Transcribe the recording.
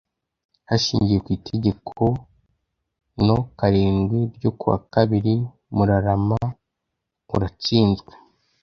hashingiwe ku itegeko no karindwi ryo kuwa kabiri murarama uratsinzwe